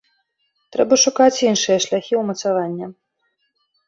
Трэба шукаць іншыя шляхі ўмацавання.